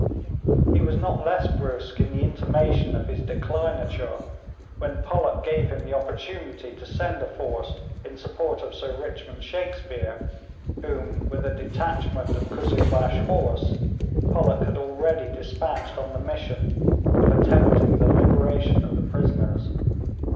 He was not less brusque in the intimation of his declinature when Pollock gave him the opportunity to send a force in support of Sir Richmond Shakespear, whom, with a detachment of Kuzzilbash horse, Pollock had already despatched on the mission of attempting the liberation of the prisoners.